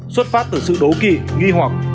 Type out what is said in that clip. xuất phát từ sự đố kỵ nghi hoặc